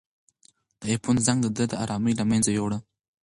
د آیفون زنګ د ده ارامي له منځه یووړه.